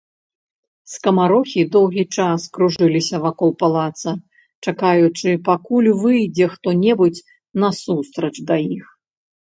Скамарохі доўгі час кружыліся вакол палаца, чакаючы, пакуль выйдзе хто-небудзь насустрач да іх.